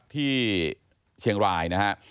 ที่เชียงรายนะฮะ